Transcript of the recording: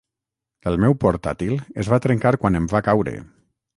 El meu portàtil es va trencar quan em va caure.